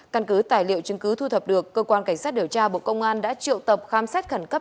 căn cứ tài liệu chứng cứ thu thập được cơ quan cảnh sát điều tra bộ công an đã triệu tập khám xét khẩn cấp